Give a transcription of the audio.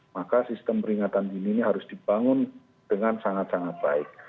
maka sistem peringatan dini ini harus dibangun dengan sangat sangat baik